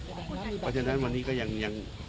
เพราะฉะนั้นวันนี้ก็ยัง